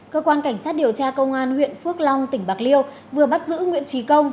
cơ quan cảnh sát điều tra công an huyện phước long tỉnh bạc liêu vừa bắt giữ nguyễn trí công